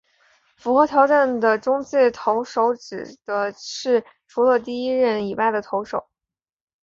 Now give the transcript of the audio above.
符合条件的中继投手指的是除了第一任以外的投手。